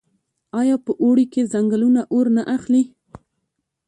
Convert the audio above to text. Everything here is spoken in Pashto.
آیا په اوړي کې ځنګلونه اور نه اخلي؟